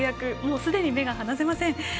すでに目が離せません。